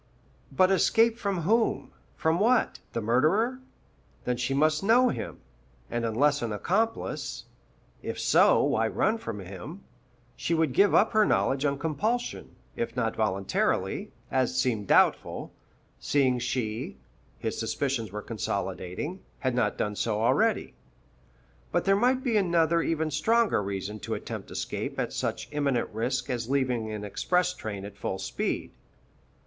But escape from whom? from what? The murderer? Then she must know him, and unless an accomplice (if so, why run from him?), she would give up her knowledge on compulsion, if not voluntarily, as seemed doubtful, seeing she (his suspicions were consolidating) had not done so already. But there might be another even stronger reason to attempt escape at such imminent risk as leaving an express train at full speed.